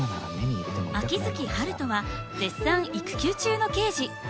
秋月春風は絶賛育休中の刑事。